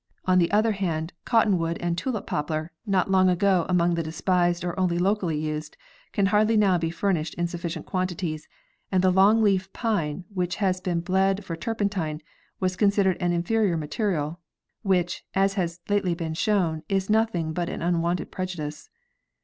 On the other hand, cot 146 B. EB. Fernow—The Battle of the Forest. tonwood and tulip poplar, not long ago among the despised or only locally used, can hardly now be furnished in sufficient quantities, and the long leaf pine, which had been bled for tur pentine, was considered an inferior material, which, as has lately been shown, is nothing but an unwarranted prejudice.